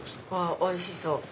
おいしそう。